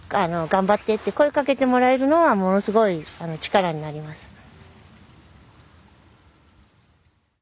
頑張ってって声かけてもらえるのはものすごい力になります。